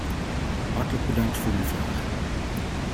Hartelijk bedankt voor uw vraag.